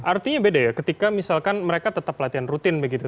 artinya beda ya ketika misalkan mereka tetap latihan rutin begitu